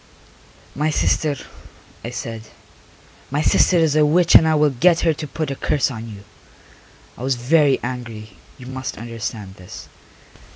"My sister," I said. "My sister is a witch and I will get her to put a curse on you." I was very angry, you must understand this.